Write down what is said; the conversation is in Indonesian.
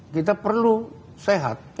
kita perlu sehat